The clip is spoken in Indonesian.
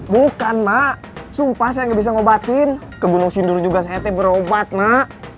bukan mak sumpah saya nggak bisa ngobatin ke gunung sindur juga saya teh berobat nak